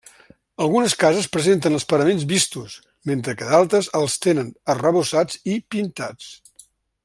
Algunes cases presenten els paraments vistos mentre que d'altres els tenen arrebossats i pintats.